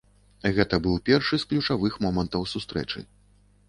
Гэта быў першы з ключавых момантаў сустрэчы.